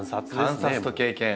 観察と経験。